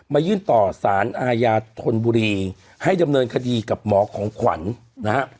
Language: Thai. ยื่นต่อสารอาญาธนบุรีให้ดำเนินคดีกับหมอของขวัญนะฮะ